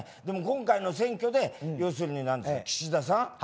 でも今回の選挙で要するに岸田さん？